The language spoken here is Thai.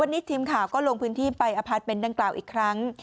วันนี้ทีมข่าวก็ลงพื้นที่ไปอพาร์ทเมนต์ดังกล่าวอีกครั้ง